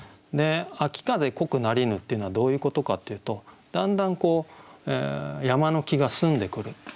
「秋風濃くなりぬ」っていうのはどういうことかっていうとだんだん山の気が澄んでくる。